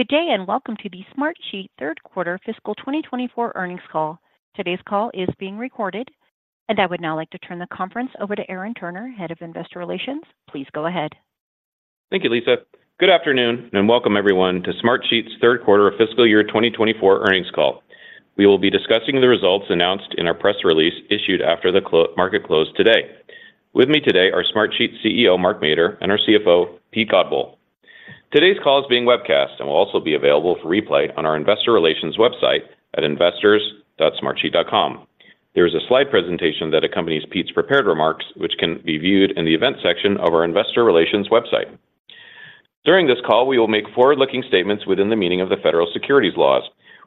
Good day, and welcome to the Smartsheet third quarter fiscal 2024 earnings call. Today's call is being recorded, and I would now like to turn the conference over to Aaron Turner, Head of Investor Relations. Please go ahead. Thank you, Lisa. Good afternoon, and welcome everyone to Smartsheet's third quarter of fiscal year 2024 earnings call. We will be discussing the results announced in our press release issued after the market close today. With me today are Smartsheet's CEO, Mark Mader, and our CFO, Pete Godbole. Today's call is being webcast and will also be available for replay on our investor relations website at investors.smartsheet.com. There is a slide presentation that accompanies Pete's prepared remarks, which can be viewed in the event section of our investor relations website. During this call, we will make forward-looking statements within the meaning of the federal securities laws.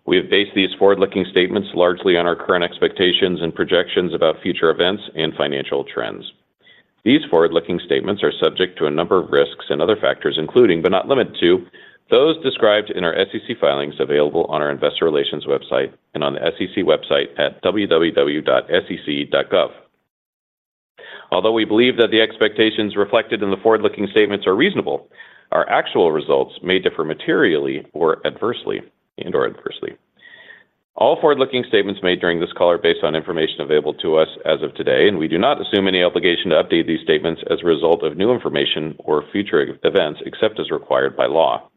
We have based these forward-looking statements largely on our current expectations and projections about future events and financial trends. These forward-looking statements are subject to a number of risks and other factors, including, but not limited to, those described in our SEC filings available on our investor relations website and on the SEC website at www.sec.gov. Although we believe that the expectations reflected in the forward-looking statements are reasonable, our actual results may differ materially or adversely, and/or adversely. All forward-looking statements made during this call are based on information available to us as of today, and we do not assume any obligation to update these statements as a result of new information or future events, except as required by law.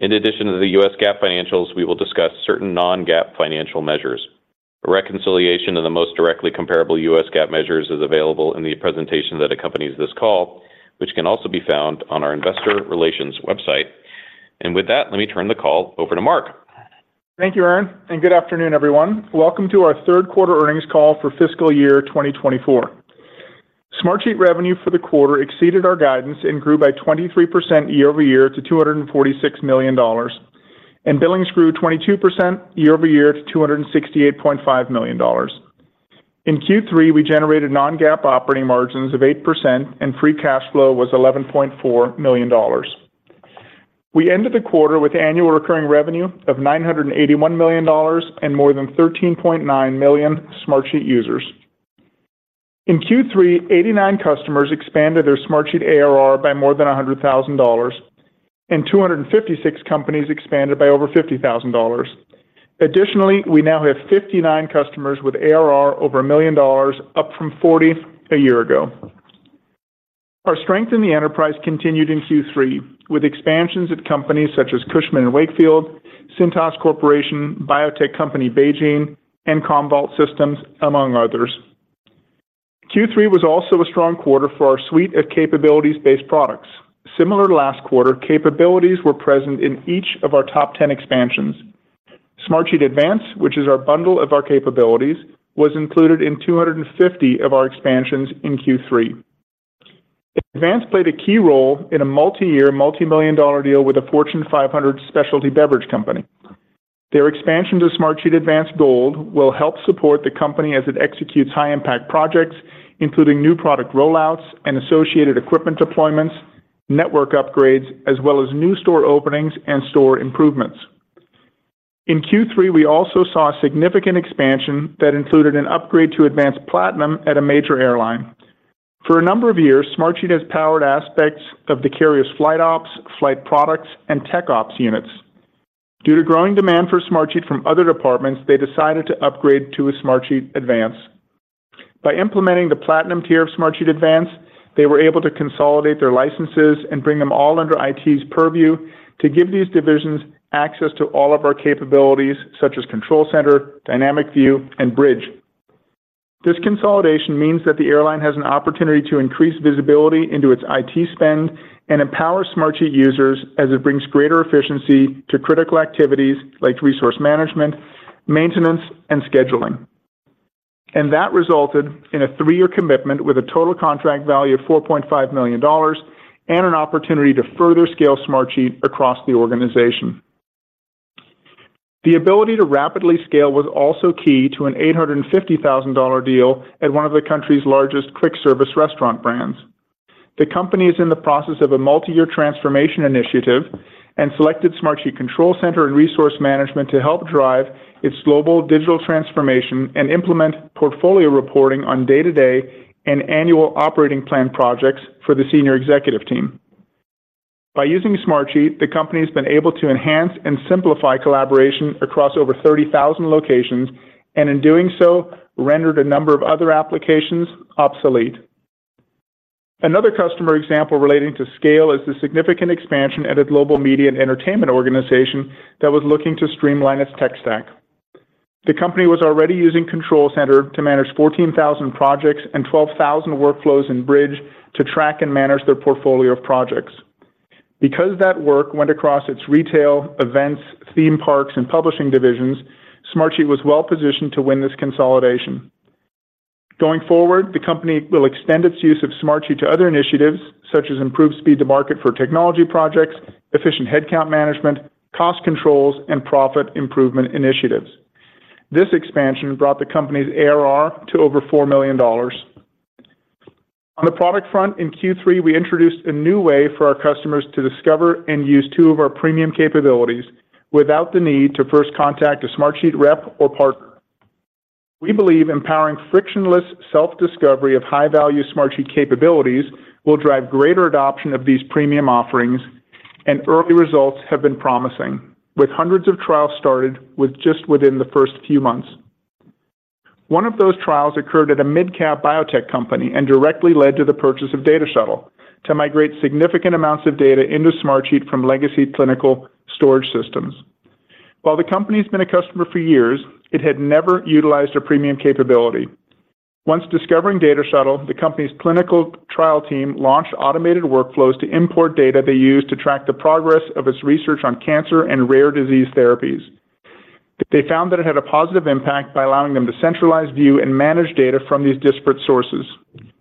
In addition to the US GAAP financials, we will discuss certain non-GAAP financial measures. A reconciliation of the most directly comparable US GAAP measures is available in the presentation that accompanies this call, which can also be found on our investor relations website. With that, let me turn the call over to Mark. Thank you, Aaron, and good afternoon, everyone. Welcome to our third quarter earnings call for fiscal year 2024. Smartsheet revenue for the quarter exceeded our guidance and grew by 23% year-over-year to $246 million, and billings grew 22% year-over-year to $268.5 million. In Q3, we generated non-GAAP operating margins of 8% and free cash flow was $11.4 million. We ended the quarter with annual recurring revenue of $981 million and more than 13.9 million Smartsheet users. In Q3, 89 customers expanded their Smartsheet ARR by more than $100,000, and 256 companies expanded by over $50,000. Additionally, we now have 59 customers with ARR over $1 million, up from 40 a year ago. Our strength in the enterprise continued in Q3, with expansions at companies such as Cushman & Wakefield, Cintas Corporation, biotech company BeiGene and Commvault Systems, among others. Q3 was also a strong quarter for our suite of capabilities-based products. Similar to last quarter, capabilities were present in each of our top 10 expansions. Smartsheet Advance, which is our bundle of our capabilities, was included in 250 of our expansions in Q3. Advance played a key role in a multi-year, multi-million-dollar deal with a Fortune 500 specialty beverage company. Their expansion to Smartsheet Advance Gold will help support the company as it executes high-impact projects, including new product rollouts and associated equipment deployments, network upgrades, as well as new store openings and store improvements. In Q3, we also saw a significant expansion that included an upgrade to Advance Platinum at a major airline. For a number of years, Smartsheet has powered aspects of the carrier's flight ops, flight products, and tech ops units. Due to growing demand for Smartsheet from other departments, they decided to upgrade to a Smartsheet Advance. By implementing the Platinum tier of Smartsheet Advance, they were able to consolidate their licenses and bring them all under IT's purview to give these divisions access to all of our capabilities, such as Control Center, Dynamic View, and Bridge. This consolidation means that the airline has an opportunity to increase visibility into its IT spend and empower Smartsheet users as it brings greater efficiency to critical activities like Resource Management, maintenance, and scheduling. That resulted in a three-year commitment with a total contract value of $4.5 million and an opportunity to further scale Smartsheet across the organization. The ability to rapidly scale was also key to an $850,000 deal at one of the country's largest quick-service restaurant brands. The company is in the process of a multi-year transformation initiative and selected Smartsheet Control Center and Resource Management to help drive its global digital transformation and implement portfolio reporting on day-to-day and annual operating plan projects for the senior executive team. By using Smartsheet, the company has been able to enhance and simplify collaboration across over 30,000 locations, and in doing so, rendered a number of other applications obsolete. Another customer example relating to scale is the significant expansion at a global media and entertainment organization that was looking to streamline its tech stack. The company was already using Control Center to manage 14,000 projects and 12,000 workflows in Bridge to track and manage their portfolio of projects. Because that work went across its retail, events, theme parks, and publishing divisions, Smartsheet was well-positioned to win this consolidation. Going forward, the company will extend its use of Smartsheet to other initiatives, such as improved speed to market for technology projects, efficient headcount management, cost controls, and profit improvement initiatives. This expansion brought the company's ARR to over $4 million. On the product front in Q3, we introduced a new way for our customers to discover and use two of our premium capabilities without the need to first contact a Smartsheet rep or partner.... We believe empowering frictionless self-discovery of high-value Smartsheet capabilities will drive greater adoption of these premium offerings, and early results have been promising, with hundreds of trials started with just within the first few months. One of those trials occurred at a mid-cap biotech company and directly led to the purchase of Data Shuttle to migrate significant amounts of data into Smartsheet from legacy clinical storage systems. While the company's been a customer for years, it had never utilized a premium capability. Once discovering Data Shuttle, the company's clinical trial team launched automated workflows to import data they use to track the progress of its research on cancer and rare disease therapies. They found that it had a positive impact by allowing them to centralize, view, and manage data from these disparate sources.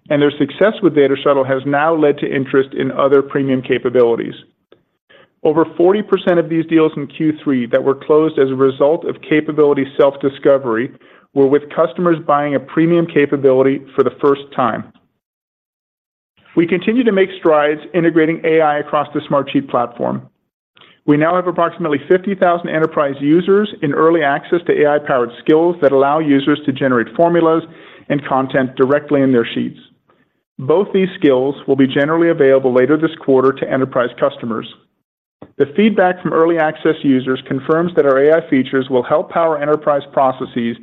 And their success with Data Shuttle has now led to interest in other premium capabilities. Over 40% of these deals in Q3 that were closed as a result of capability self-discovery were with customers buying a premium capability for the first time. We continue to make strides integrating AI across the Smartsheet platform. We now have approximately 50,000 enterprise users in early access to AI-powered skills that allow users to generate formulas and content directly in their sheets. Both these skills will be generally available later this quarter to enterprise customers. The feedback from early access users confirms that our AI features will help power enterprise processes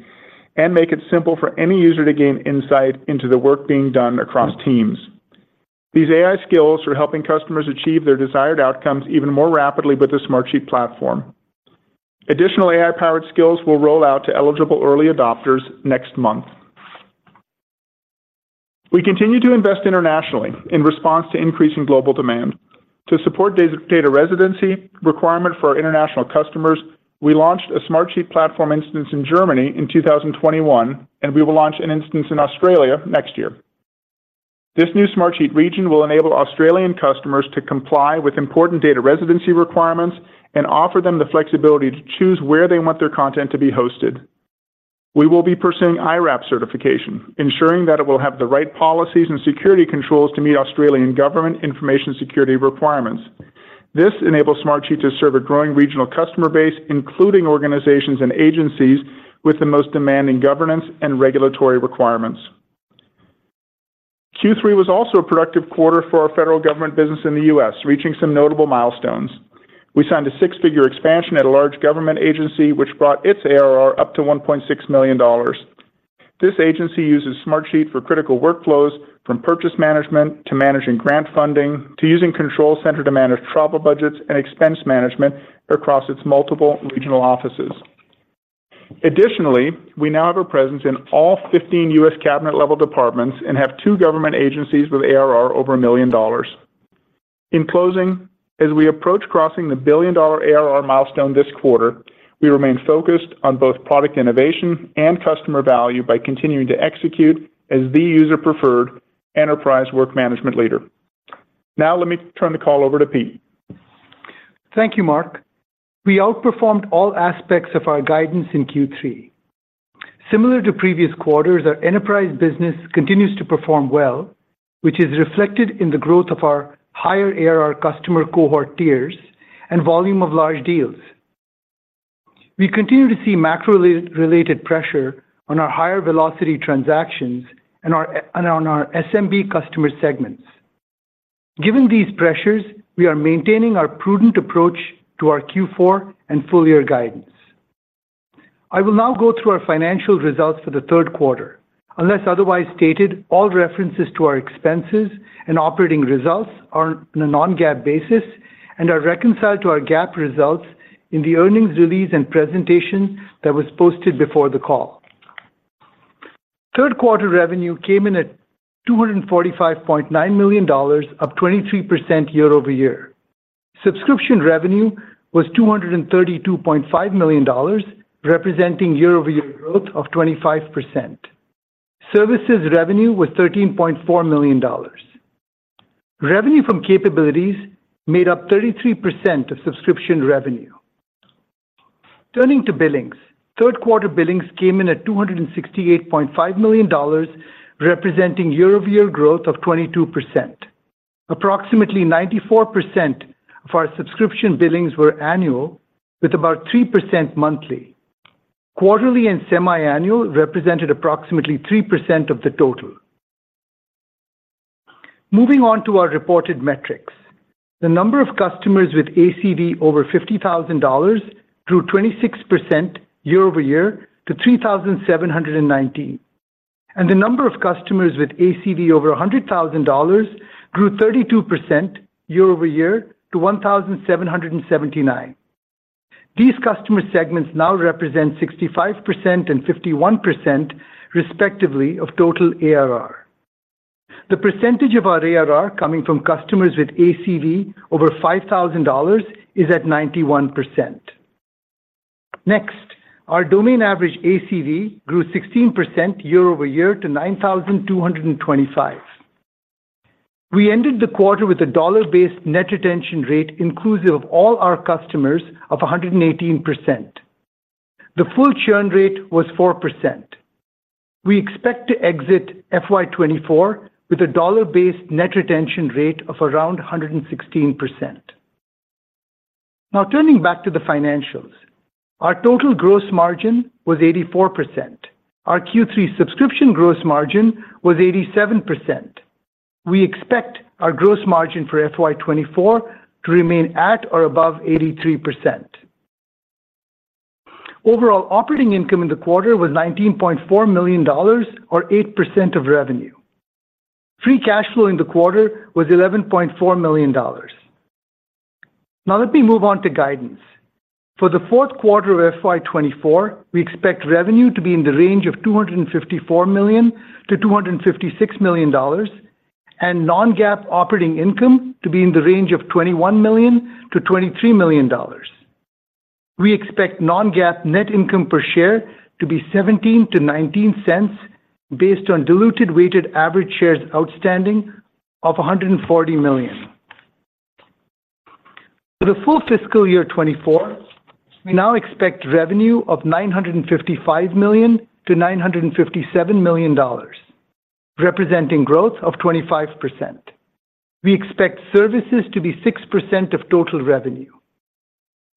and make it simple for any user to gain insight into the work being done across teams. These AI skills are helping customers achieve their desired outcomes even more rapidly with the Smartsheet platform. Additional AI-powered skills will roll out to eligible early adopters next month. We continue to invest internationally in response to increasing global demand. To support data, data residency requirement for our international customers, we launched a Smartsheet platform instance in Germany in 2021, and we will launch an instance in Australia next year. This new Smartsheet region will enable Australian customers to comply with important data residency requirements and offer them the flexibility to choose where they want their content to be hosted. We will be pursuing IRAP certification, ensuring that it will have the right policies and security controls to meet Australian government information security requirements. This enables Smartsheet to serve a growing regional customer base, including organizations and agencies with the most demanding governance and regulatory requirements. Q3 was also a productive quarter for our federal government business in the U.S., reaching some notable milestones. We signed a six-figure expansion at a large government agency, which brought its ARR up to $1.6 million. This agency uses Smartsheet for critical workflows, from purchase management to managing grant funding, to using Control Center to manage travel budgets and expense management across its multiple regional offices. Additionally, we now have a presence in all 15 U.S. cabinet-level departments and have two government agencies with ARR over $1 million. In closing, as we approach crossing the billion-dollar ARR milestone this quarter, we remain focused on both product innovation and customer value by continuing to execute as the user-preferred enterprise work management leader. Now, let me turn the call over to Pete. Thank you, Mark. We outperformed all aspects of our guidance in Q3. Similar to previous quarters, our enterprise business continues to perform well, which is reflected in the growth of our higher ARR customer cohort tiers and volume of large deals. We continue to see macro-related pressure on our higher velocity transactions and on our SMB customer segments. Given these pressures, we are maintaining our prudent approach to our Q4 and full-year guidance. I will now go through our financial results for the third quarter. Unless otherwise stated, all references to our expenses and operating results are on a non-GAAP basis and are reconciled to our GAAP results in the earnings release and presentation that was posted before the call. Third quarter revenue came in at $245.9 million, up 23% year-over-year. Subscription revenue was $232.5 million, representing year-over-year growth of 25%. Services revenue was $13.4 million. Revenue from capabilities made up 33% of subscription revenue. Turning to billings. Third quarter billings came in at $268.5 million, representing year-over-year growth of 22%. Approximately 94% of our subscription billings were annual, with about 3% monthly. Quarterly and semi-annual represented approximately 3% of the total. Moving on to our reported metrics. The number of customers with ACV over $50,000 grew 26% year-over-year to 3,719, and the number of customers with ACV over $100,000 grew 32% year-over-year to 1,779. These customer segments now represent 65% and 51%, respectively, of total ARR. The percentage of our ARR coming from customers with ACV over $5,000 is at 91%. Next, our median average ACV grew 16% year-over-year to $9,225. We ended the quarter with a dollar-based net retention rate, inclusive of all our customers, of 118%. The full churn rate was 4%. We expect to exit FY 2024 with a dollar-based net retention rate of around 116%. Now turning back to the financials. Our total gross margin was 84%. Our Q3 subscription gross margin was 87%. We expect our gross margin for FY 2024 to remain at or above 83%. Overall operating income in the quarter was $19.4 million or 8% of revenue. Free cash flow in the quarter was $11.4 million. Now let me move on to guidance. For the fourth quarter of FY 2024, we expect revenue to be in the range of $254 million-$256 million, and non-GAAP operating income to be in the range of $21 million-$23 million. We expect non-GAAP net income per share to be $0.17-$0.19, based on diluted weighted average shares outstanding of 140 million. For the full fiscal year 2024, we now expect revenue of $955 million-$957 million, representing growth of 25%. We expect services to be 6% of total revenue.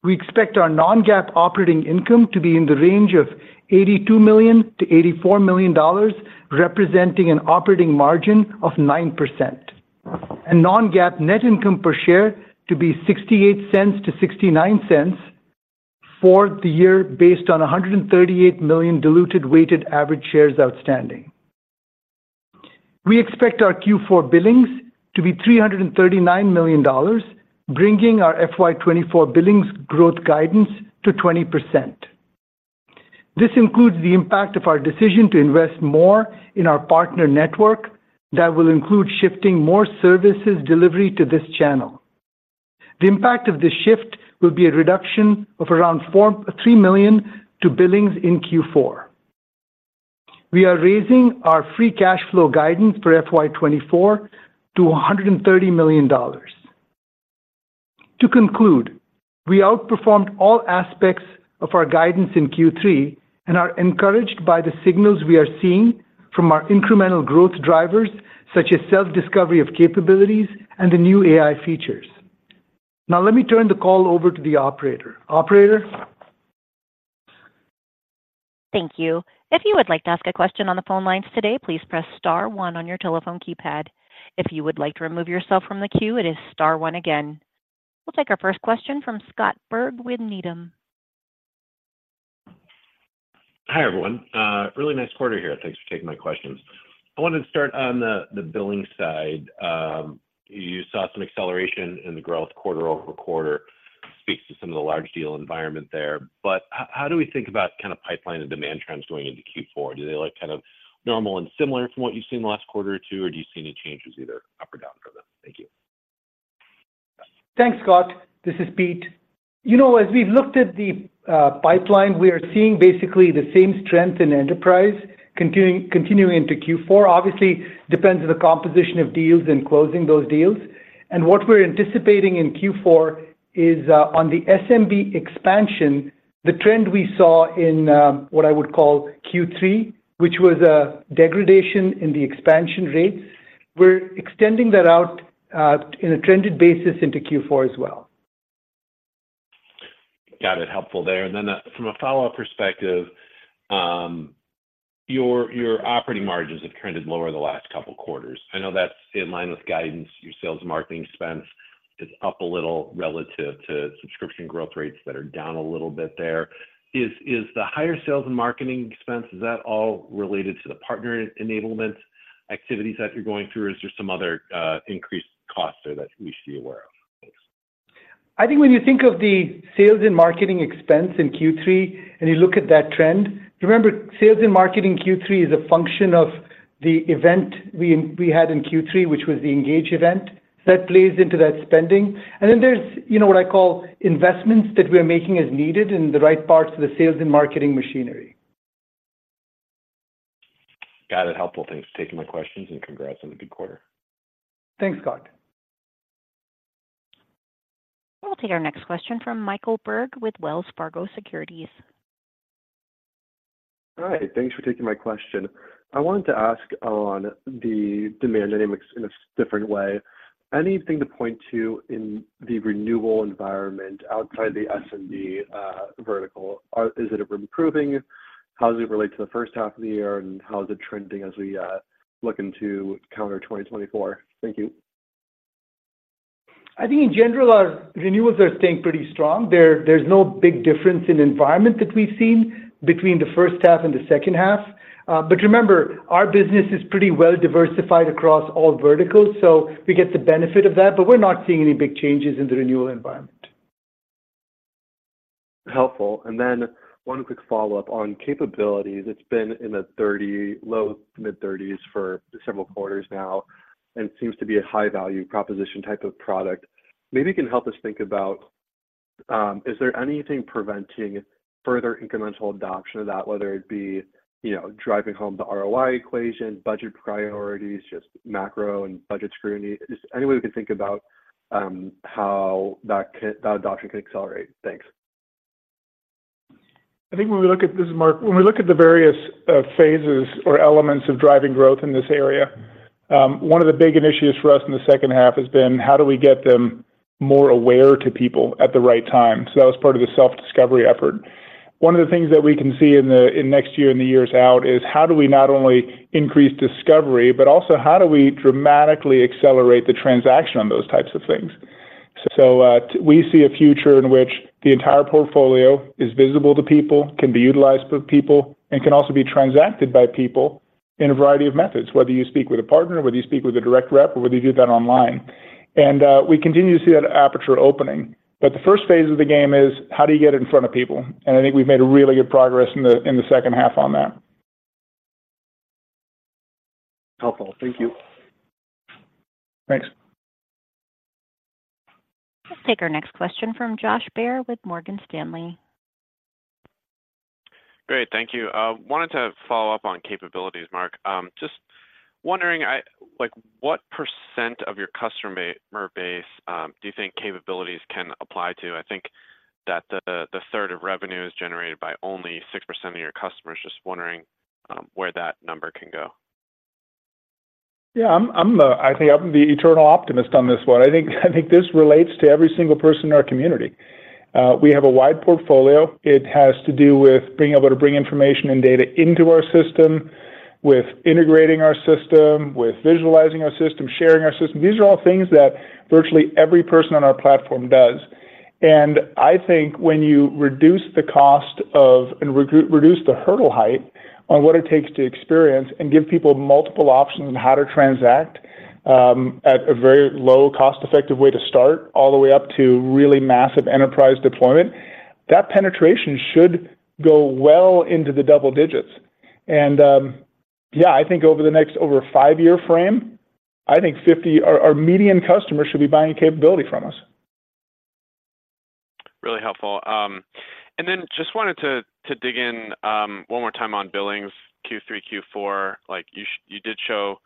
We expect our non-GAAP operating income to be in the range of $82 million-$84 million, representing an operating margin of 9%, and non-GAAP net income per share to be $0.68-$0.69 for the year, based on 138 million diluted weighted average shares outstanding. We expect our Q4 billings to be $339 million, bringing our FY 2024 billings growth guidance to 20%. This includes the impact of our decision to invest more in our partner network. That will include shifting more services delivery to this channel. The impact of this shift will be a reduction of around three million to billings in Q4. We are raising our free cash flow guidance for FY 2024 to $130 million. To conclude, we outperformed all aspects of our guidance in Q3 and are encouraged by the signals we are seeing from our incremental growth drivers, such as self-discovery of capabilities and the new AI features. Now, let me turn the call over to the operator. Operator? Thank you. If you would like to ask a question on the phone lines today, please press star one on your telephone keypad. If you would like to remove yourself from the queue, it is star one again. We'll take our first question from Scott Berg with Needham. Hi, everyone. Really nice quarter here. Thanks for taking my questions. I wanted to start on the, the billing side. You saw some acceleration in the growth quarter-over-quarter, speaks to some of the large deal environment there. But how do we think about kind of pipeline and demand trends going into Q4? Do they look kind of normal and similar from what you've seen in the last quarter or two, or do you see any changes either up or down from them? Thank you. Thanks, Scott. This is Pete. You know, as we've looked at the pipeline, we are seeing basically the same strength in enterprise continuing, continuing into Q4. Obviously, depends on the composition of deals and closing those deals. And what we're anticipating in Q4 is on the SMB expansion, the trend we saw in what I would call Q3, which was a degradation in the expansion rates, we're extending that out in a trended basis into Q4 as well. Got it. Helpful there. And then, from a follow-up perspective, your operating margins have trended lower the last couple of quarters. I know that's in line with guidance. Your sales and marketing expense is up a little relative to subscription growth rates that are down a little bit there. Is the higher sales and marketing expense all related to the partner enablement activities that you're going through, or is there some other increased costs there that we should be aware of? Thanks. I think when you think of the sales and marketing expense in Q3, and you look at that trend, remember, sales and marketing in Q3 is a function of the event we had in Q3, which was the Engage event. So that plays into that spending. And then there's, you know, what I call investments that we are making as needed in the right parts of the sales and marketing machinery. Got it. Helpful. Thanks for taking my questions, and congrats on the good quarter. Thanks, Scott. We'll take our next question from Michael Berg with Wells Fargo Securities. Hi, thanks for taking my question. I wanted to ask on the demand dynamics in a different way, anything to point to in the renewal environment outside the SMB vertical? Is it improving? How does it relate to the first half of the year, and how is it trending as we look into calendar 2024? Thank you. I think in general, our renewals are staying pretty strong. There's no big difference in environment that we've seen between the first half and the second half. But remember, our business is pretty well diversified across all verticals, so we get the benefit of that, but we're not seeing any big changes in the renewal environment. Helpful. And then one quick follow-up on capabilities. It's been in the 30, low-mid 30s for several quarters now, and seems to be a high-value proposition type of product. Maybe you can help us think about, is there anything preventing further incremental adoption of that, whether it be, you know, driving home the ROI equation, budget priorities, just macro and budget scrutiny? Just any way we can think about, how that adoption can accelerate? Thanks.... I think when we look at, this is Mark. When we look at the various phases or elements of driving growth in this area, one of the big initiatives for us in the second half has been how do we get them more aware to people at the right time? So that was part of the self-discovery effort. One of the things that we can see in the next year, in the years out, is how do we not only increase discovery, but also how do we dramatically accelerate the transaction on those types of things? So, we see a future in which the entire portfolio is visible to people, can be utilized by people, and can also be transacted by people in a variety of methods, whether you speak with a partner, whether you speak with a direct rep, or whether you do that online. We continue to see that aperture opening. But the first phase of the game is how do you get it in front of people? I think we've made a really good progress in the second half on that. Helpful. Thank you. Thanks. Let's take our next question from Josh Baer with Morgan Stanley. Great, thank you. Wanted to follow up on capabilities, Mark. Just wondering, like, what percent of your customer base do you think capabilities can apply to? I think that the third of revenue is generated by only 6% of your customers. Just wondering, where that number can go. Yeah, I'm the eternal optimist on this one. I think this relates to every single person in our community. We have a wide portfolio. It has to do with being able to bring information and data into our system, with integrating our system, with visualizing our system, sharing our system. These are all things that virtually every person on our platform does. And I think when you reduce the cost of, and reduce the hurdle height on what it takes to experience, and give people multiple options on how to transact, at a very low cost, effective way to start, all the way up to really massive enterprise deployment, that penetration should go well into the double digits. I think over a five-year frame, I think our median customer should be buying capability from us. Really helpful. And then just wanted to dig in one more time on billings, Q3, Q4. Like, you did show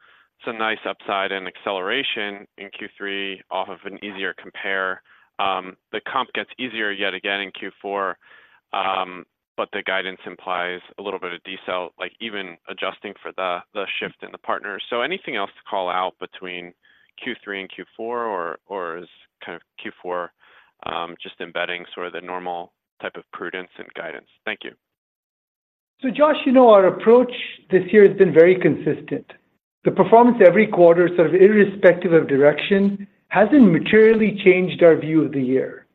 some nice upside and acceleration in Q3 off of an easier compare. The comp gets easier yet again in Q4, but the guidance implies a little bit of decel, like, even adjusting for the shift in the partner. So anything else to call out between Q3 and Q4, or is kind of Q4 just embedding sort of the normal type of prudence and guidance? Thank you. So, Josh, you know, our approach this year has been very consistent. The performance every quarter, sort of irrespective of direction, hasn't materially changed our view of the year.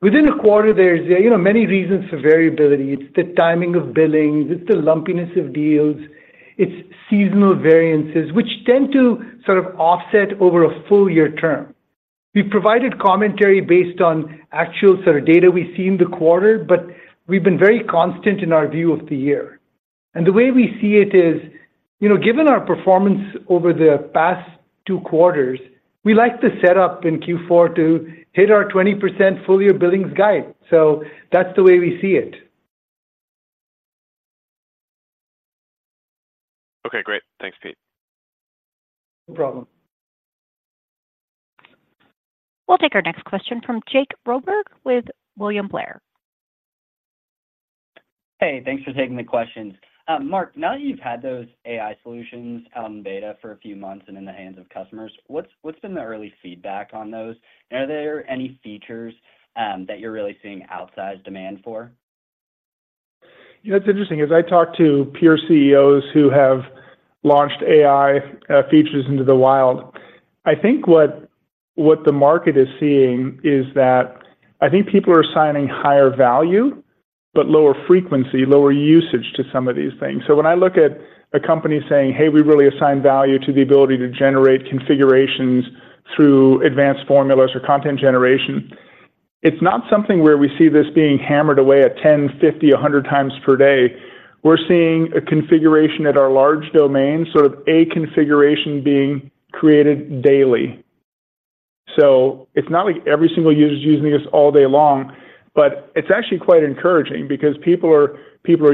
Within a quarter, there's, you know, many reasons for variability. It's the timing of billing, it's the lumpiness of deals, it's seasonal variances, which tend to sort of offset over a full year term. We've provided commentary based on actual sort of data we see in the quarter, but we've been very constant in our view of the year. The way we see it is, you know, given our performance over the past two quarters, we like to set up in Q4 to hit our 20% full year billings guide. So that's the way we see it. Okay, great. Thanks, Pete. No problem. We'll take our next question from Jake Roberge with William Blair. Hey, thanks for taking the questions. Mark, now that you've had those AI solutions out in beta for a few months and in the hands of customers, what's been the early feedback on those? And are there any features that you're really seeing outsized demand for? You know, it's interesting, as I talk to peer CEOs who have launched AI features into the wild. I think what the market is seeing is that I think people are assigning higher value, but lower frequency, lower usage to some of these things. So when I look at a company saying, "Hey, we really assign value to the ability to generate configurations through advanced formulas or content generation," it's not something where we see this being hammered away at 10, 50, 100x per day. We're seeing a configuration at our large domain, sort of a configuration being created daily. So it's not like every single user is using this all day long, but it's actually quite encouraging because people are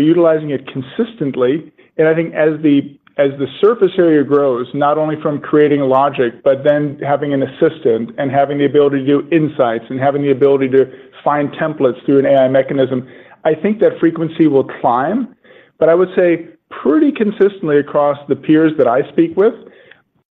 utilizing it consistently. I think as the, as the surface area grows, not only from creating logic, but then having an assistant, and having the ability to do insights, and having the ability to find templates through an AI mechanism, I think that frequency will climb. I would say pretty consistently across the peers that I speak with,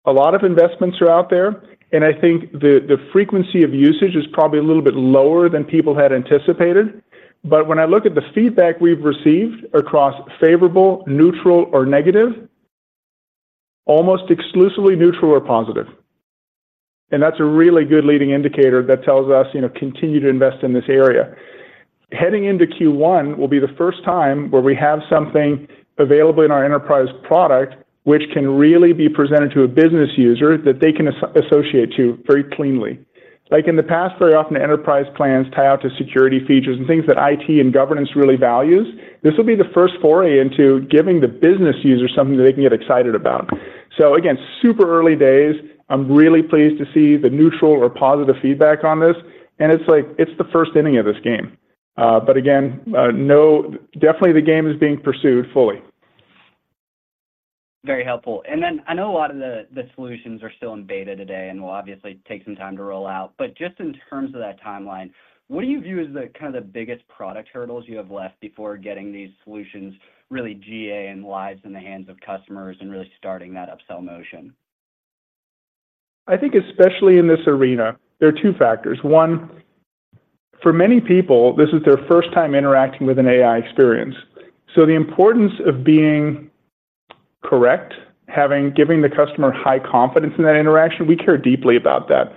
a lot of investments are out there, and I think the, the frequency of usage is probably a little bit lower than people had anticipated. When I look at the feedback we've received across favorable, neutral, or negative, almost exclusively neutral or positive, and that's a really good leading indicator that tells us, you know, continue to invest in this area. Heading into Q1 will be the first time where we have something available in our enterprise product, which can really be presented to a business user that they can associate to very cleanly. Like, in the past, very often, enterprise plans tie out to security features and things that IT and governance really values. This will be the first foray into giving the business user something that they can get excited about. So again, super early days. I'm really pleased to see the neutral or positive feedback on this, and it's like, it's the first inning of this game. Definitely the game is being pursued fully. ... Very helpful. And then I know a lot of the solutions are still in beta today and will obviously take some time to roll out, but just in terms of that timeline, what do you view as the kind of biggest product hurdles you have left before getting these solutions really GA and lies in the hands of customers and really starting that upsell motion? I think especially in this arena, there are two factors: one, for many people, this is their first time interacting with an AI experience, so the importance of being correct, giving the customer high confidence in that interaction, we care deeply about that.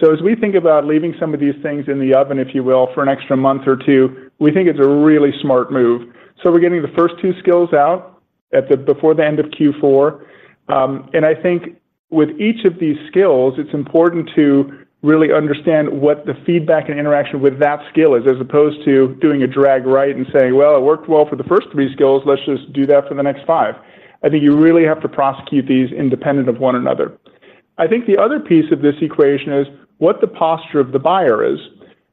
So as we think about leaving some of these things in the oven, if you will, for an extra month or two, we think it's a really smart move. So we're getting the first two skills out at the before the end of Q4. And I think with each of these skills, it's important to really understand what the feedback and interaction with that skill is, as opposed to doing a drag right and saying: Well, it worked well for the first three skills, let's just do that for the next five. I think you really have to prosecute these independent of one another. I think the other piece of this equation is what the posture of the buyer is.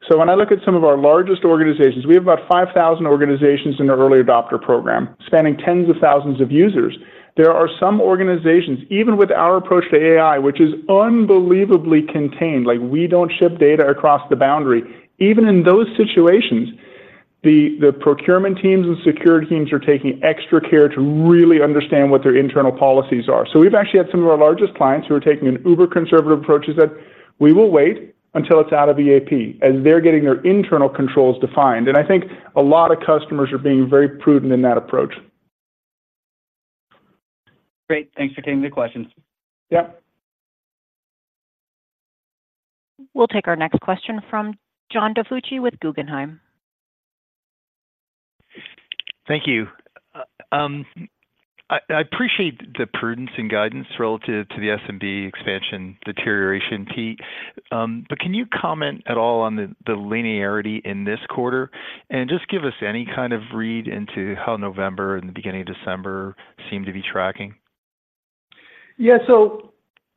So when I look at some of our largest organizations, we have about 5,000 organizations in our early adopter program, spanning tens of thousands of users. There are some organizations, even with our approach to AI, which is unbelievably contained, like, we don't ship data across the boundary. Even in those situations, the, the procurement teams and security teams are taking extra care to really understand what their internal policies are. So we've actually had some of our largest clients who are taking an uber conservative approach, is that, "We will wait until it's out of EAP," as they're getting their internal controls defined. And I think a lot of customers are being very prudent in that approach. Great. Thanks for taking the questions. Yep. We'll take our next question from John DiFucci with Guggenheim. Thank you. I appreciate the prudence and guidance relative to the SMB expansion deterioration, Pete, but can you comment at all on the linearity in this quarter? And just give us any kind of read into how November and the beginning of December seem to be tracking. Yeah. So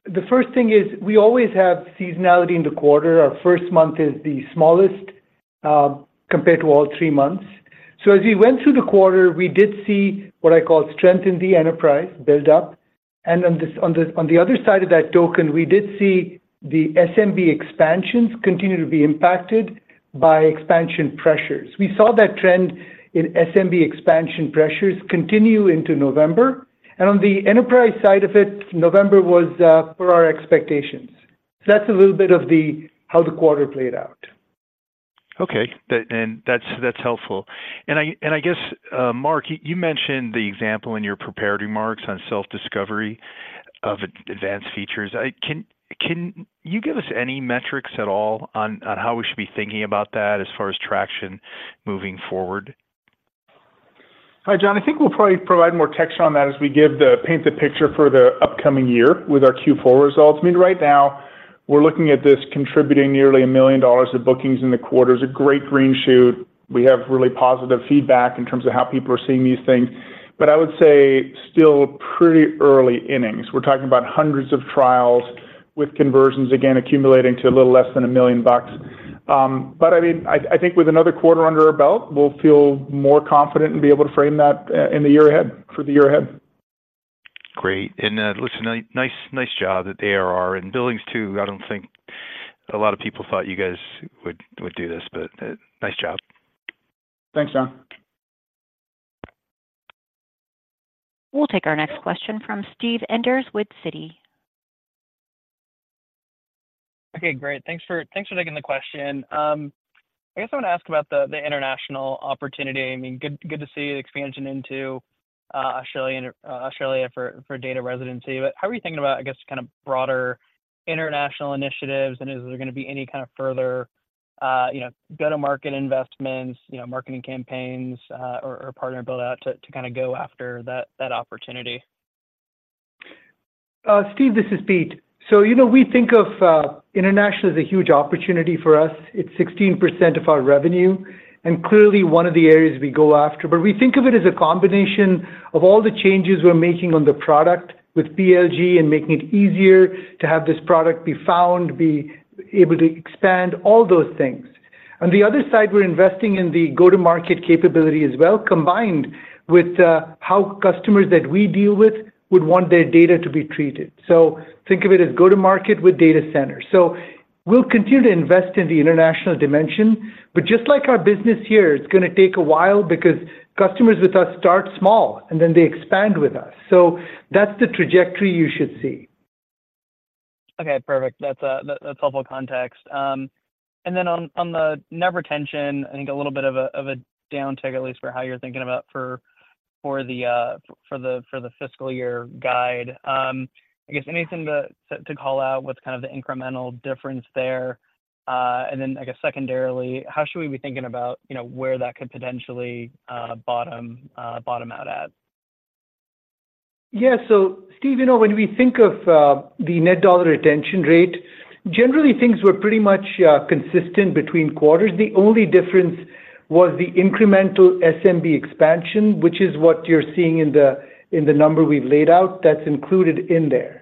the first thing is we always have seasonality in the quarter. Our first month is the smallest compared to all three months. So as we went through the quarter, we did see what I call strength in the enterprise build up, and on the other side of that token, we did see the SMB expansions continue to be impacted by expansion pressures. We saw that trend in SMB expansion pressures continue into November, and on the enterprise side of it, November was per our expectations. So that's a little bit of the how the quarter played out. Okay. That's helpful. I guess, Mark, you mentioned the example in your prepared remarks on self-discovery of advanced features. Can you give us any metrics at all on how we should be thinking about that as far as traction moving forward? Hi, John. I think we'll probably provide more texture on that as we paint the picture for the upcoming year with our Q4 results. I mean, right now, we're looking at this contributing nearly $1 million of bookings in the quarter. It's a great green shoot. We have really positive feedback in terms of how people are seeing these things, but I would say still pretty early innings. We're talking about hundreds of trials with conversions, again, accumulating to a little less than $1 million. But I mean, I think with another quarter under our belt, we'll feel more confident and be able to frame that in the year ahead, for the year ahead. Great. And, listen, nice, nice job at ARR and Billings, too. I don't think a lot of people thought you guys would do this, but, nice job. Thanks, John. We'll take our next question from Steve Enders with Citi. Okay, great. Thanks for taking the question. I guess I want to ask about the international opportunity. I mean, good to see the expansion into Australia for data residency. But how are you thinking about, I guess, kind of broader international initiatives? And is there gonna be any kind of further, you know, go-to-market investments, you know, marketing campaigns, or partner build out to kind of go after that opportunity? Steve, this is Pete. So, you know, we think of international as a huge opportunity for us. It's 16% of our revenue, and clearly one of the areas we go after. But we think of it as a combination of all the changes we're making on the product with PLG and making it easier to have this product be found, be able to expand, all those things. On the other side, we're investing in the go-to-market capability as well, combined with how customers that we deal with would want their data to be treated. So think of it as go to market with data centers. So we'll continue to invest in the international dimension, but just like our business here, it's gonna take a while because customers with us start small, and then they expand with us. So that's the trajectory you should see. Okay, perfect. That's, that's helpful context. And then on the net retention, I think a little bit of a downtick, at least for how you're thinking about for the fiscal year guide. I guess anything to call out what's kind of the incremental difference there? And then I guess secondarily, how should we be thinking about, you know, where that could potentially bottom out at? Yeah. So Steve, you know, when we think of the net dollar retention rate, generally things were pretty much consistent between quarters. The only difference was the incremental SMB expansion, which is what you're seeing in the number we've laid out. That's included in there.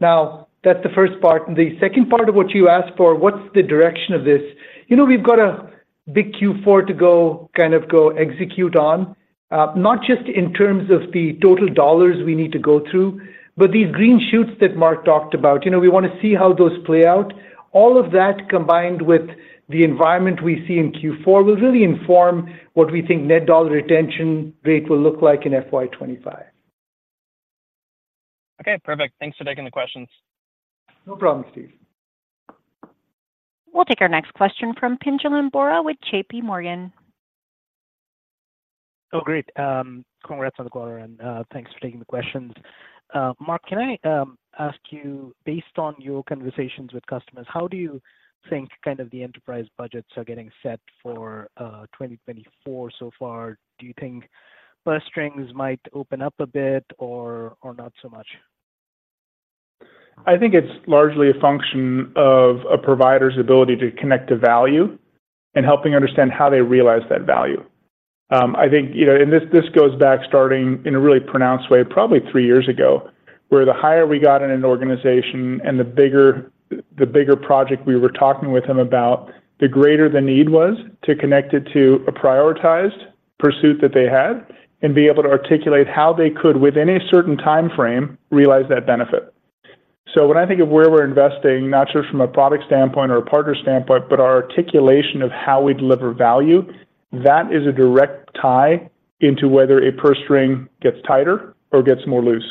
Now, that's the first part, and the second part of what you asked for, what's the direction of this? You know, we've got a big Q4 to go, kind of go execute on, not just in terms of the total dollars we need to go through, but these green shoots that Mark talked about. You know, we wanna see how those play out. All of that, combined with the environment we see in Q4, will really inform what we think net dollar retention rate will look like in FY 2025. Okay, perfect. Thanks for taking the questions. No problem, Steve. We'll take our next question from Pinjalim Bora with JPMorgan. Oh, great. Congrats on the quarter, and thanks for taking the questions. Mark, can I ask you, based on your conversations with customers, how do you think kind of the enterprise budgets are getting set for 2024 so far? Do you think purse strings might open up a bit or not so much? I think it's largely a function of a provider's ability to connect to value and helping understand how they realize that value. I think, you know, and this, this goes back starting in a really pronounced way, probably three years ago, where the higher we got in an organization and the bigger, the bigger project we were talking with them about, the greater the need was to connect it to a prioritized pursuit that they had, and be able to articulate how they could, within a certain timeframe, realize that benefit. So when I think of where we're investing, not just from a product standpoint or a partner standpoint, but our articulation of how we deliver value, that is a direct tie into whether a purse string gets tighter or gets more loose.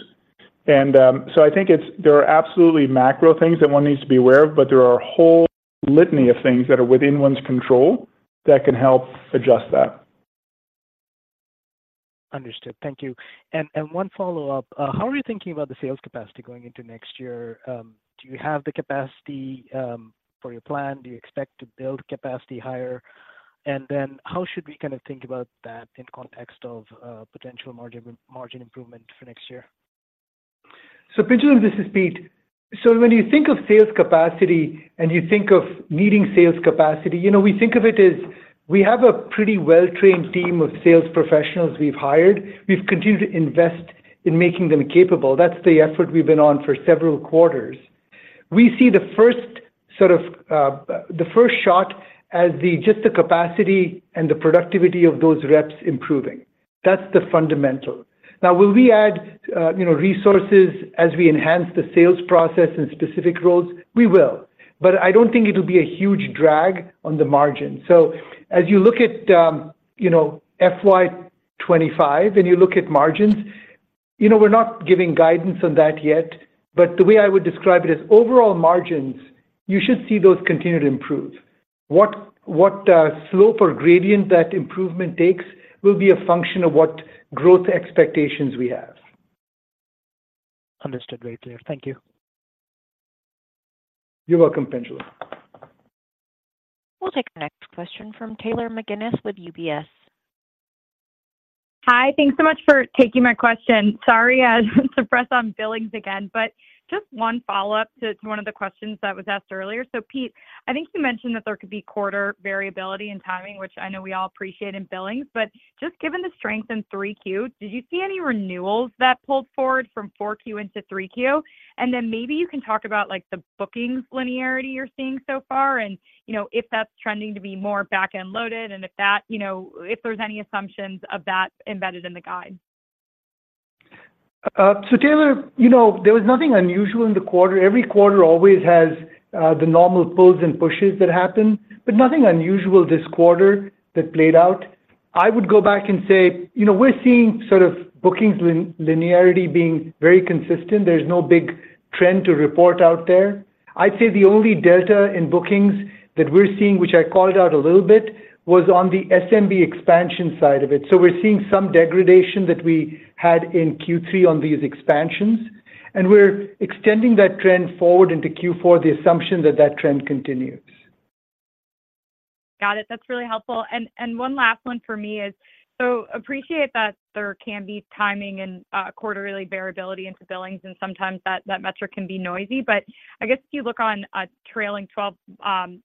So, I think there are absolutely macro things that one needs to be aware of, but there are a whole litany of things that are within one's control that can help adjust that. Understood. Thank you. And one follow-up. How are you thinking about the sales capacity going into next year? Do you have the capacity for your plan? Do you expect to build capacity higher? And then how should we kind of think about that in context of potential margin improvement for next year? So Pinjalim, this is Pete. So when you think of sales capacity, and you think of needing sales capacity, you know, we think of it as we have a pretty well-trained team of sales professionals we've hired. We've continued to invest in making them capable. That's the effort we've been on for several quarters. We see the first sort of, the first shot as just the capacity and the productivity of those reps improving. That's the fundamental. Now, will we add, you know, resources as we enhance the sales process in specific roles? We will, but I don't think it'll be a huge drag on the margin. So as you look at, you know, FY 2025 and you look at margins, you know, we're not giving guidance on that yet, but the way I would describe it is, overall margins, you should see those continue to improve. What slope or gradient that improvement takes will be a function of what growth expectations we have. Understood. Very clear. Thank you. You're welcome, Pinjalim. We'll take the next question from Taylor McGinnis with UBS. Hi. Thanks so much for taking my question. Sorry, I wanted to press on billings again, but just one follow-up to one of the questions that was asked earlier. So Pete, I think you mentioned that there could be quarter variability in timing, which I know we all appreciate in billings, but just given the strength in Q3, did you see any renewals that pulled forward from Q4 into Q3? And then maybe you can talk about, like, the bookings linearity you're seeing so far and, you know, if that's trending to be more back-end loaded, and if that, you know, if there's any assumptions of that embedded in the guide? So Taylor, you know, there was nothing unusual in the quarter. Every quarter always has the normal pulls and pushes that happen, but nothing unusual this quarter that played out. I would go back and say, you know, we're seeing sort of bookings linearity being very consistent. There's no big trend to report out there. I'd say the only delta in bookings that we're seeing, which I called out a little bit, was on the SMB expansion side of it. So we're seeing some degradation that we had in Q3 on these expansions, and we're extending that trend forward into Q4, the assumption that that trend continues. Got it. That's really helpful. And one last one for me is. So appreciate that there can be timing and quarterly variability into billings, and sometimes that metric can be noisy. But I guess if you look on a trailing twelve,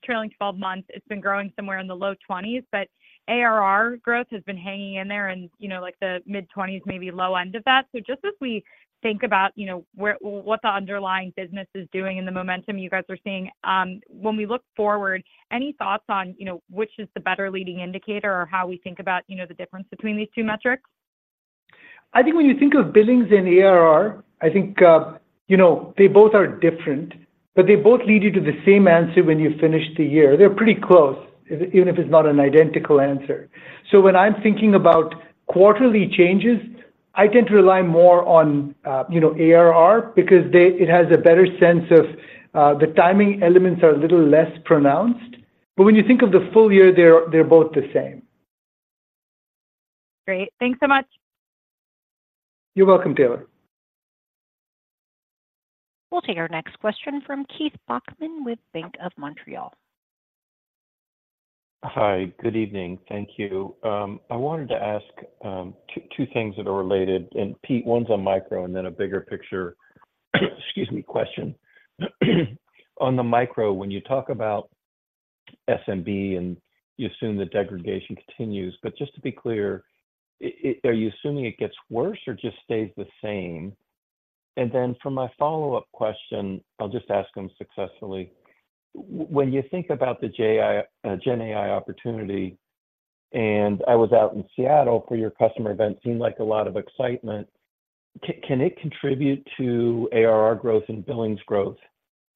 trailing twelve months, it's been growing somewhere in the low 20s, but ARR growth has been hanging in there and, you know, like the mid-20s, maybe low end of that. So just as we think about, you know, where what the underlying business is doing and the momentum you guys are seeing, when we look forward, any thoughts on, you know, which is the better leading indicator or how we think about, you know, the difference between these two metrics? I think when you think of billings and ARR, I think, you know, they both are different, but they both lead you to the same answer when you finish the year. They're pretty close, even if it's not an identical answer. So when I'm thinking about quarterly changes, I tend to rely more on, you know, ARR because it has a better sense of, the timing elements are a little less pronounced, but when you think of the full year, they're both the same. Great. Thanks so much. You're welcome, Taylor. We'll take our next question from Keith Bachman with Bank of Montreal. Hi, good evening. Thank you. I wanted to ask, two, two things that are related, and Pete, one's on micro and then a bigger picture, excuse me, question. On the micro, when you talk about-... SMB, and you assume the degradation continues. But just to be clear, are you assuming it gets worse or just stays the same? And then for my follow-up question, I'll just ask them successfully. When you think about the GenAI opportunity, and I was out in Seattle for your customer event, seemed like a lot of excitement. Can it contribute to ARR growth and billings growth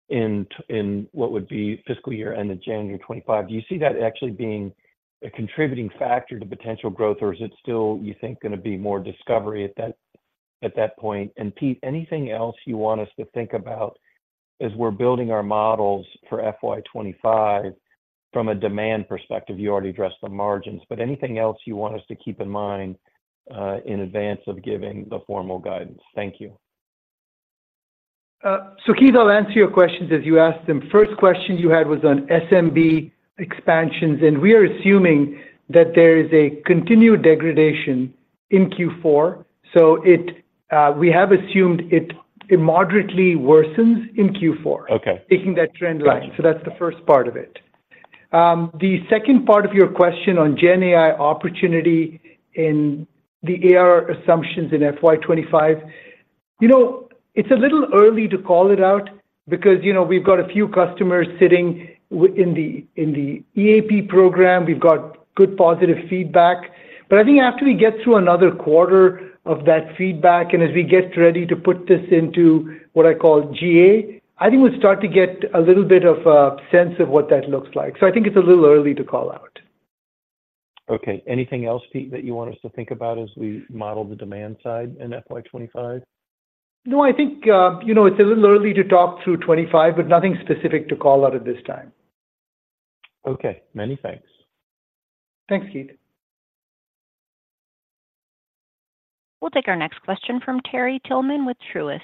in what would be fiscal year end of January 2025? Do you see that actually being a contributing factor to potential growth, or is it still, you think, gonna be more discovery at that point? And Pete, anything else you want us to think about as we're building our models for FY 2025 from a demand perspective? You already addressed the margins, but anything else you want us to keep in mind, in advance of giving the formal guidance? Thank you. So, Keith, I'll answer your questions as you asked them. First question you had was on SMB expansions, and we are assuming that there is a continued degradation in Q4. So it, we have assumed it moderately worsens in Q4- Okay. taking that trend line. So that's the first part of it. The second part of your question on GenAI opportunity in the ARR assumptions in FY 2025. You know, it's a little early to call it out because, you know, we've got a few customers sitting in the EAP program. We've got good positive feedback. But I think after we get through another quarter of that feedback, and as we get ready to put this into what I call GA, I think we'll start to get a little bit of a sense of what that looks like. So I think it's a little early to call out. Okay. Anything else, Pete, that you want us to think about as we model the demand side in FY 2025? No, I think, you know, it's a little early to talk through 25, but nothing specific to call out at this time. Okay. Many thanks. Thanks, Keith. We'll take our next question from Terry Tillman with Truist.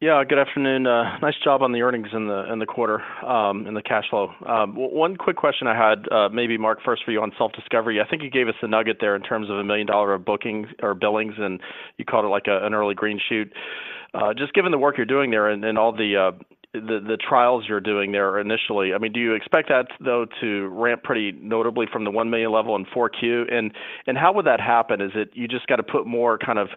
Yeah, good afternoon. Nice job on the earnings in the quarter, and the cash flow. One quick question I had, maybe Mark, first for you on self-discovery. I think you gave us a nugget there in terms of $1 million of bookings or billings, and you called it like an early green shoot. Just given the work you're doing there and all the trials you're doing there initially, I mean, do you expect that though, to ramp pretty notably from the $1 million level in 4Q? And how would that happen? Is it you just got to put more kind of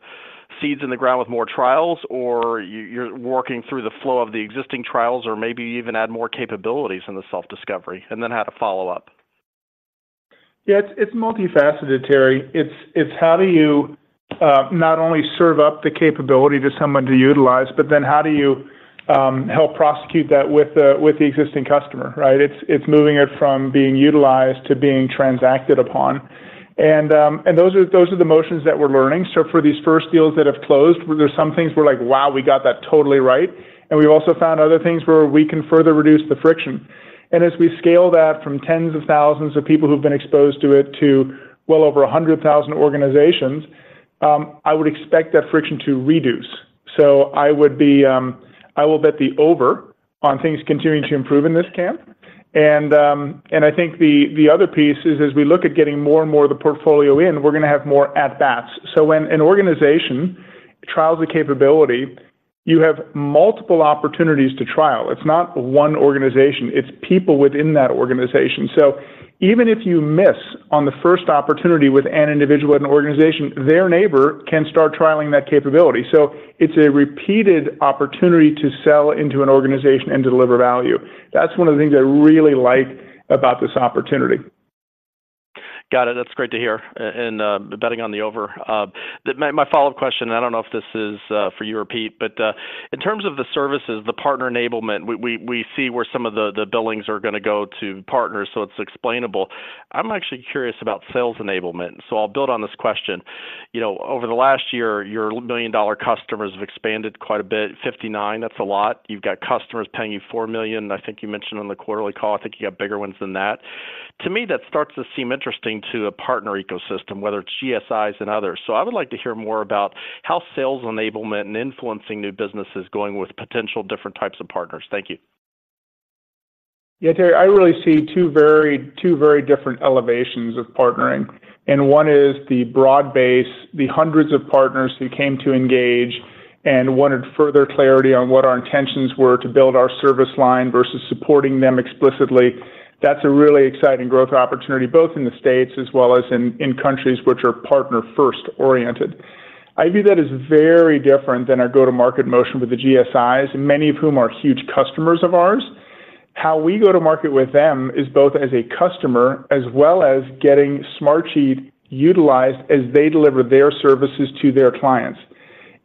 seeds in the ground with more trials, or you're working through the flow of the existing trials, or maybe even add more capabilities in the self-discovery? And then I have a follow-up. Yeah, it's multifaceted, Terry. It's how do you not only serve up the capability to someone to utilize, but then how do you help prosecute that with the existing customer, right? It's moving it from being utilized to being transacted upon. And those are the motions that we're learning. So for these first deals that have closed, there are some things we're like, "Wow, we got that totally right." And we also found other things where we can further reduce the friction. And as we scale that from tens of thousands of people who've been exposed to it to well over a hundred thousand organizations, I would expect that friction to reduce. So I would be... I will bet the over on things continuing to improve in this camp. And, I think the other piece is as we look at getting more and more of the portfolio in, we're gonna have more at bats. So when an organization trials a capability, you have multiple opportunities to trial. It's not one organization, it's people within that organization. So even if you miss on the first opportunity with an individual at an organization, their neighbor can start trialing that capability. So it's a repeated opportunity to sell into an organization and deliver value. That's one of the things I really like about this opportunity. Got it. That's great to hear, and the betting on the over. My follow-up question, I don't know if this is for you or Pete, but in terms of the services, the partner enablement, we see where some of the billings are gonna go to partners, so it's explainable. I'm actually curious about sales enablement, so I'll build on this question. You know, over the last year, your million-dollar customers have expanded quite a bit, 59, that's a lot. You've got customers paying you $4 million. I think you mentioned on the quarterly call, I think you have bigger ones than that. To me, that starts to seem interesting to a partner ecosystem, whether it's GSIs and others. So I would like to hear more about how sales enablement and influencing new business is going with potential different types of partners. Thank you. Yeah, Terry, I really see two very, two very different elevations of partnering, and one is the broad base, the hundreds of partners who came to engage and wanted further clarity on what our intentions were to build our service line versus supporting them explicitly. That's a really exciting growth opportunity, both in the States as well as in, in countries which are partner-first oriented. I view that as very different than our go-to-market motion with the GSIs, and many of whom are huge customers of ours. How we go to market with them is both as a customer, as well as getting Smartsheet utilized as they deliver their services to their clients.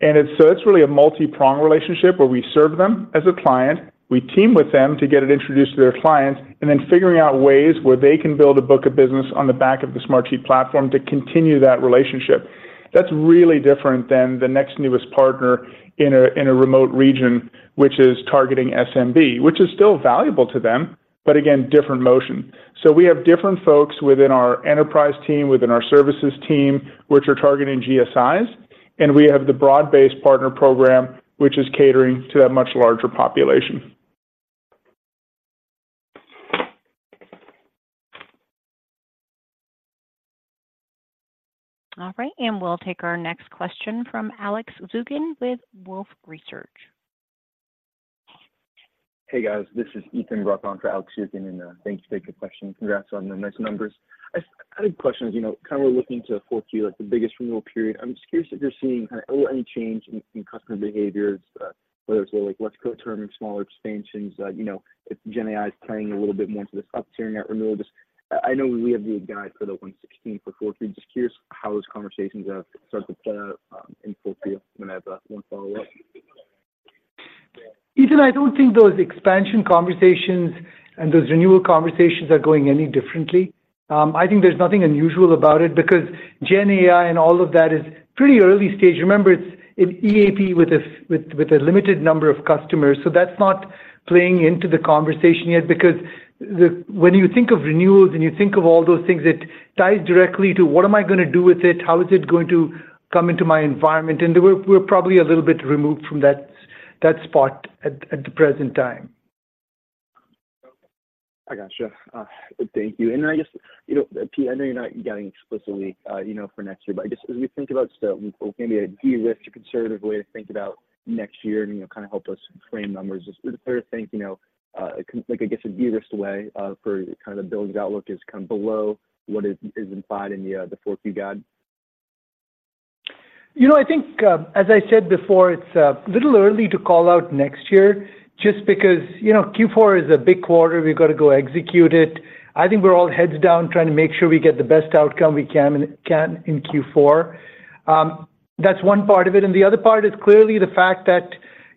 So it's really a multi-pronged relationship where we serve them as a client, we team with them to get it introduced to their clients, and then figuring out ways where they can build a book of business on the back of the Smartsheet platform to continue that relationship. That's really different than the next newest partner in a remote region, which is targeting SMB, which is still valuable to them, but again, different motion. So we have different folks within our enterprise team, within our services team, which are targeting GSIs, and we have the broad-based partner program, which is catering to that much larger population. ... All right, and we'll take our next question from Alex Zukin with Wolfe Research. Hey, guys. This is Ethan Bruck on for Alex Zukin, and thank you for taking the question. Congrats on the nice numbers. I think the question is, you know, kind of we're looking to 4Q as the biggest renewal period. I'm just curious if you're seeing kind of any change in customer behaviors, whether it's like less co-terminating smaller expansions, you know, if GenAI is playing a little bit more into this up tiering that renewal. Just, I know we have the guide for the 116 for 4Q. Just curious how those conversations have started to play out in 4Q. And I have one follow-up. Ethan, I don't think those expansion conversations and those renewal conversations are going any differently. I think there's nothing unusual about it because GenAI and all of that is pretty early stage. Remember, it's in EAP with a limited number of customers, so that's not playing into the conversation yet. Because the... When you think of renewals and you think of all those things, it ties directly to: What am I gonna do with it? How is it going to come into my environment? And we're probably a little bit removed from that spot at the present time. I got you. Thank you. And I just, you know, Pete, I know you're not guiding explicitly, you know, for next year, but I guess as we think about still maybe a de-risk or conservative way to think about next year, and, you know, kind of help us frame numbers, just fair to think, you know, like, I guess, a de-risked way, for kind of building outlook is kind of below what is implied in the 4Q guide? You know, I think, as I said before, it's a little early to call out next year just because, you know, Q4 is a big quarter. We've got to go execute it. I think we're all heads down, trying to make sure we get the best outcome we can in Q4. That's one part of it, and the other part is clearly the fact that,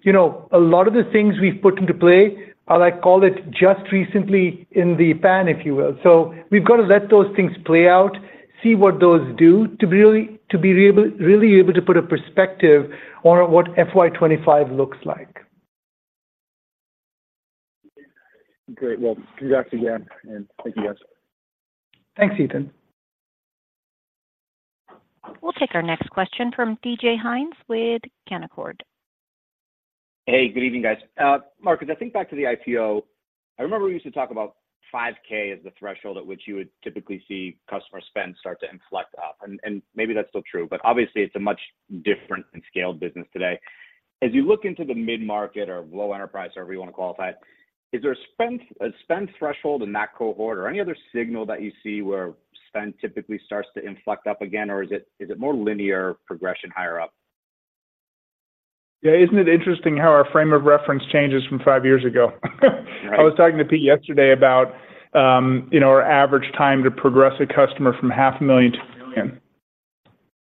you know, a lot of the things we've put into play are, like, call it just recently in the pan, if you will. So we've got to let those things play out, see what those do, to really be able to put a perspective on what FY 2025 looks like. Great. Well, congrats again, and thank you, guys. Thanks, Ethan. We'll take our next question from D.J. Hynes with Canaccord. Hey, good evening, guys. Mark, as I think back to the IPO, I remember we used to talk about $5,000 as the threshold at which you would typically see customer spend start to inflect up, and, and maybe that's still true, but obviously it's a much different and scaled business today. As you look into the mid-market or low enterprise, however you want to qualify it, is there a spend, a spend threshold in that cohort or any other signal that you see where spend typically starts to inflect up again, or is it, is it more linear progression higher up? Yeah, isn't it interesting how our frame of reference changes from five years ago? Right. I was talking to Pete yesterday about, you know, our average time to progress a customer from $500,000.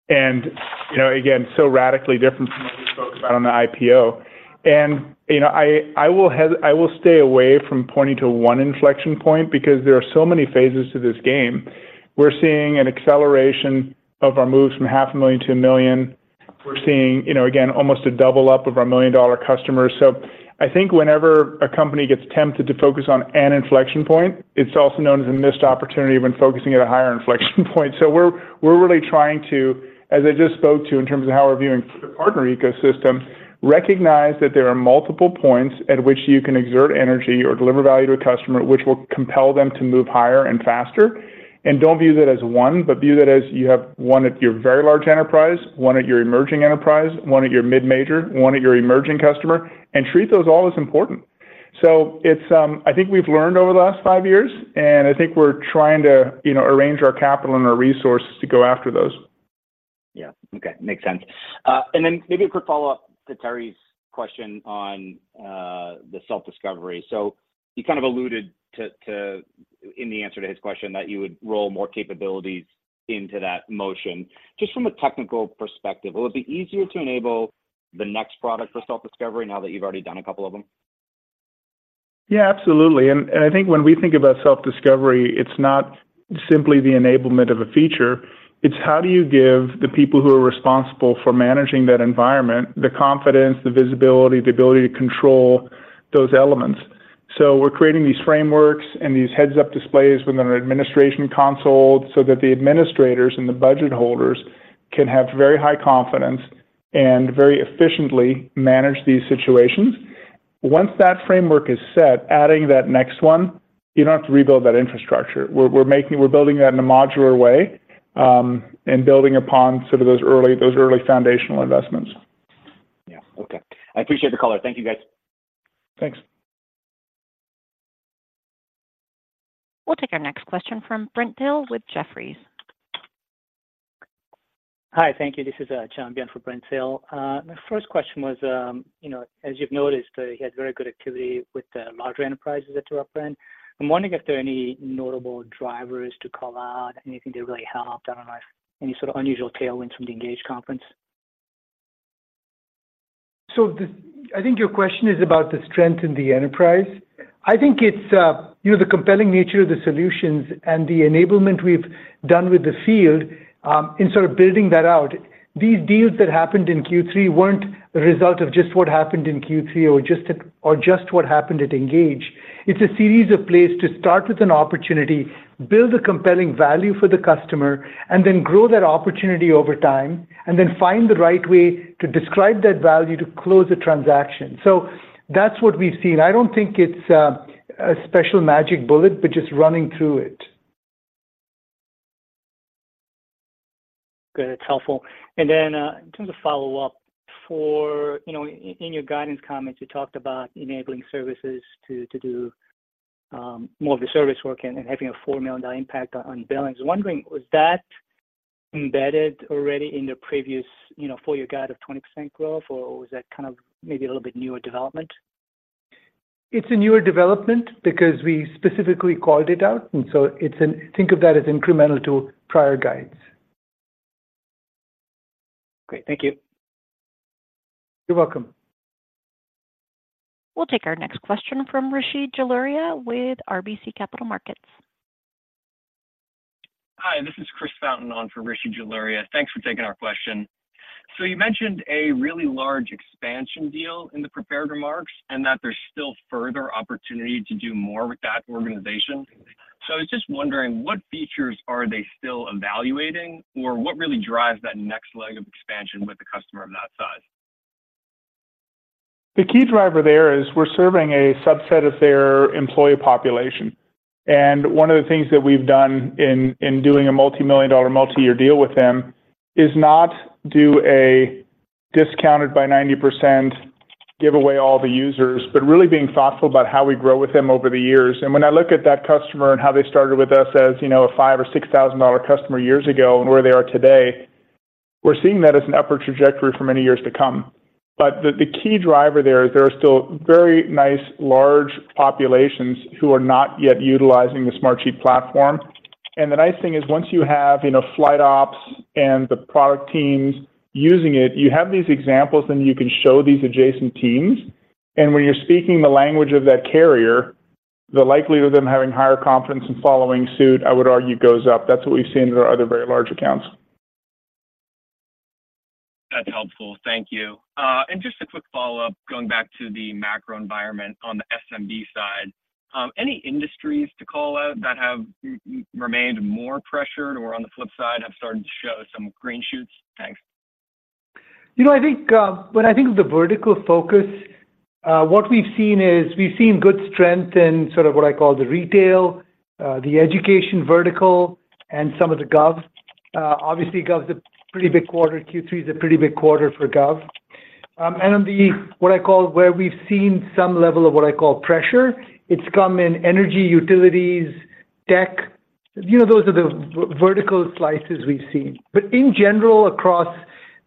And, you know, again, so radically different from what we spoke about on the IPO. And, you know, I will stay away from pointing to one inflection point because there are so many phases to this game. We're seeing an acceleration of our moves from $500,000-$1 million. We're seeing, you know, again, almost a double up of our million-dollar customers. So I think whenever a company gets tempted to focus on an inflection point, it's also known as a missed opportunity when focusing at a higher inflection point. So we're, we're really trying to, as I just spoke to in terms of how we're viewing partner ecosystem, recognize that there are multiple points at which you can exert energy or deliver value to a customer, which will compel them to move higher and faster. And don't view that as one, but view that as you have one at your very large enterprise, one at your emerging enterprise, one at your mid-major, one at your emerging customer, and treat those all as important. So it's, I think we've learned over the last five years, and I think we're trying to, you know, arrange our capital and our resources to go after those. Yeah. Okay. Makes sense. And then maybe a quick follow-up to Terry's question on the self-discovery. So you kind of alluded to in the answer to his question, that you would roll more capabilities into that motion. Just from a technical perspective, will it be easier to enable the next product for self-discovery now that you've already done a couple of them? Yeah, absolutely. And I think when we think about self-discovery, it's not simply the enablement of a feature, it's how do you give the people who are responsible for managing that environment, the confidence, the visibility, the ability to control those elements? So we're creating these frameworks and these heads-up displays within our administration console so that the administrators and the budget holders can have very high confidence and very efficiently manage these situations. Once that framework is set, adding that next one, you don't have to rebuild that infrastructure. We're making. We're building that in a modular way, and building upon sort of those early foundational investments. Yeah. Okay. I appreciate the call. Thank you, guys. Thanks. We'll take our next question from Brent Thill with Jefferies. Hi, thank you. This is John Byun for Brent Thill. My first question was, you know, as you've noticed, you had very good activity with the larger enterprises at your upfront. I'm wondering if there are any notable drivers to call out, anything that really helped, I don't know, any sort of unusual tailwinds from the Engage conference? So, I think your question is about the strength in the enterprise. I think it's, you know, the compelling nature of the solutions and the enablement we've done with the field, in sort of building that out. These deals that happened in Q3 weren't a result of just what happened in Q3 or just what happened at Engage. It's a series of plays to start with an opportunity, build a compelling value for the customer, and then grow that opportunity over time, and then find the right way to describe that value to close the transaction. So that's what we've seen. I don't think it's, a special magic bullet, but just running through it.... Good, it's helpful. And then, in terms of follow up, for, you know, in your guidance comments, you talked about enabling services to do more of the service work and having a $4 million impact on billings. I'm wondering, was that embedded already in the previous, you know, full year guide of 20% growth, or was that kind of maybe a little bit newer development? It's a newer development because we specifically called it out, and so it's an-- think of that as incremental to prior guides. Great, thank you. You're welcome. We'll take our next question from Rishi Jaluria with RBC Capital Markets. Hi, this is Chris Fountain on for Rishi Jaluria. Thanks for taking our question. You mentioned a really large expansion deal in the prepared remarks, and that there's still further opportunity to do more with that organization. I was just wondering, what features are they still evaluating, or what really drives that next leg of expansion with a customer of that size? The key driver there is we're serving a subset of their employee population. And one of the things that we've done in, in doing a multi-million dollar, multi-year deal with them is not do a discounted by 90%, give away all the users, but really being thoughtful about how we grow with them over the years. And when I look at that customer and how they started with us as, you know, a $5,000 or $6,000 customer years ago and where they are today, we're seeing that as an upward trajectory for many years to come. But the, the key driver there is there are still very nice, large populations who are not yet utilizing the Smartsheet platform. And the nice thing is, once you have, you know, flight ops and the product teams using it, you have these examples, then you can show these adjacent teams. When you're speaking the language of that carrier, the likelihood of them having higher confidence in following suit, I would argue, goes up. That's what we've seen with our other very large accounts. That's helpful. Thank you. And just a quick follow-up, going back to the macro environment on the SMB side, any industries to call out that have remained more pressured or on the flip side, have started to show some green shoots? Thanks. You know, I think, when I think of the vertical focus, what we've seen is we've seen good strength in sort of what I call the retail, the education vertical and some of the gov. Obviously, gov's a pretty big quarter. Q3 is a pretty big quarter for gov. And on the, what I call where we've seen some level of what I call pressure, it's come in energy, utilities, tech. You know, those are the vertical slices we've seen. But in general, across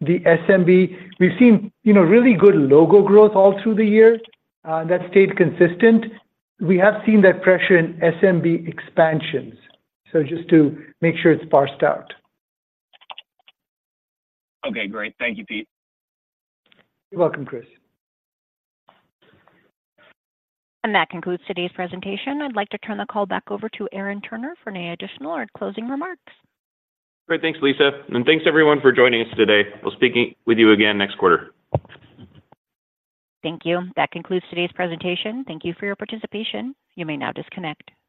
the SMB, we've seen, you know, really good logo growth all through the year, that stayed consistent. We have seen that pressure in SMB expansions, so just to make sure it's parsed out. Okay, great. Thank you, Pete. You're welcome, Chris. That concludes today's presentation. I'd like to turn the call back over to Aaron Turner for any additional or closing remarks. Great. Thanks, Lisa, and thanks everyone for joining us today. We'll speak with you again next quarter. Thank you. That concludes today's presentation. Thank you for your participation. You may now disconnect.